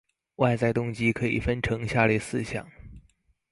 外在动机可以分成下列四项